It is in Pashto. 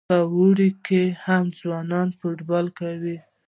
په واورو کې هم ځوانان فوټبال کوي.